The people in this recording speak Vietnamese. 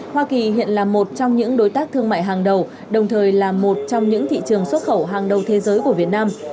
hoa kỳ hiện là một trong những đối tác thương mại hàng đầu đồng thời là một trong những thị trường xuất khẩu hàng đầu thế giới của việt nam